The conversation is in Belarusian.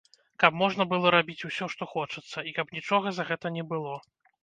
Каб можна было рабіць усё, што хочацца, і каб нічога за гэта не было.